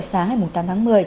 hàng ngày tám tháng một mươi